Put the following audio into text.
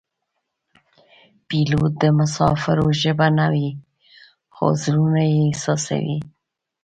پیلوټ د مسافرو ژبه نه وي خو زړونه یې احساسوي.